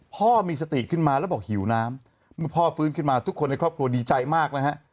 พ่อมีสติขึ้นมาแล้วบอกหิวน้ำเมื่อพ่อฟื้นขึ้นมาทุกคนในครอบครัวดีใจมากนะฮะ